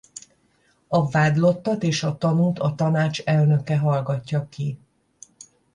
A vádlottat és a tanút a tanács elnöke hallgatja ki.